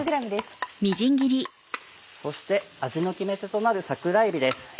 そして味の決め手となる桜えびです。